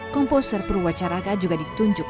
komposer purwacaraka juga ditunjuk